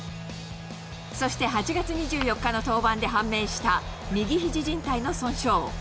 そして８月２４日の登板で判明した右ひじじん帯の損傷。